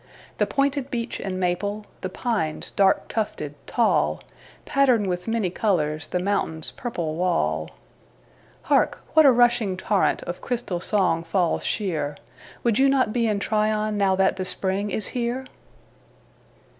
The pointed beech and maple, The pines, dark tufted, tall, Pattern with many colorsThe mountain's purple wall. Hark—what a rushing torrentOf crystal song falls sheer! Would you not be in TryonNow that the spring is here?